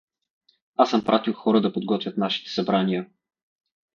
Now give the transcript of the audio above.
Аз съм пратил хора да подготвят нашите събрания.